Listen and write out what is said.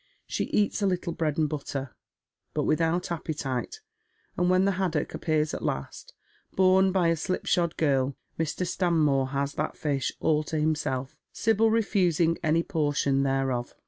She eats a little bread and butter, but without appetite, and when the iiaddock appears at last, borne by a slipshod girl, Mr. Stanmora has that fish all to himself, Sibyl refusing any portion thereof.